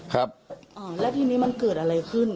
ครับอ่าแล้วทีนี้มันเกิดอะไรขึ้น